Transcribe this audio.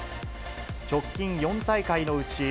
直近４大会のうち